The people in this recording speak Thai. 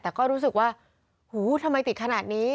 แต่ก็รู้สึกว่าหูทำไมติดขนาดนี้